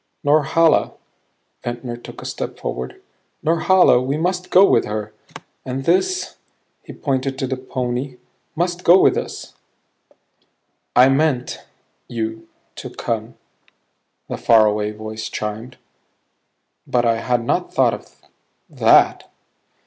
"Norhala." Ventnor took a step forward. "Norhala, we must go with her. And this" he pointed to the pony "must go with us." "I meant you to come," the faraway voice chimed, "but I had not thought of that."